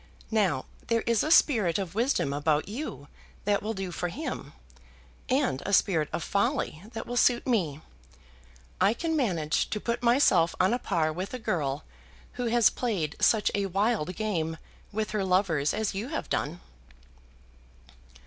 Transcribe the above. Now there is a spirit of wisdom about you that will do for him, and a spirit of folly that will suit me. I can manage to put myself on a par with a girl who has played such a wild game with her lovers as you have done."